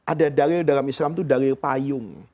ada dalil dalam islam itu dalil payung